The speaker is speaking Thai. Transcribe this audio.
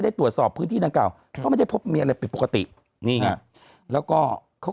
ได้ตรวจสอบพื้นที่นักเก่ามันจะพบมีอะไรปกติแล้วก็เขา